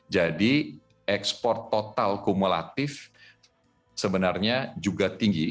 jadi ekspor total kumulatif sebenarnya juga tinggi